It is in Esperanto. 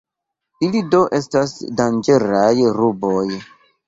Ili do estas danĝeraj ruboj.